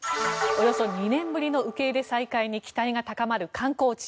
およそ２年ぶりの受け入れ再開に期待が高まる観光地。